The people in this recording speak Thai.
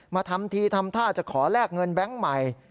ทำทีทำท่าจะขอแลกเงินแบงค์ใหม่